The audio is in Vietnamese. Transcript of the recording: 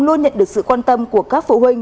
luôn nhận được sự quan tâm của các phụ huynh